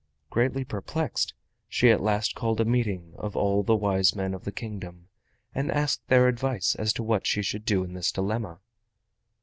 Greatly perplexed, she at last called a meeting of all the wise men of the Kingdom, and asked their advice as to what she should do in this dilemma.